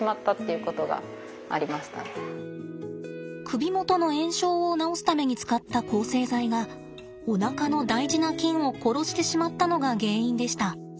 首もとの炎症を治すために使った抗生剤がおなかの大事な菌を殺してしまったのが原因でした。